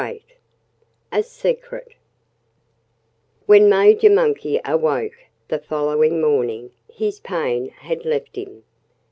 VIII A Secret When Major Monkey awoke the following morning his pain had left him.